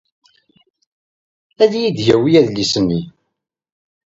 Ad yi-d-yawi adlis-nni.